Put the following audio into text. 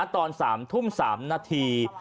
ตอน๓ทุ่ม๓นาที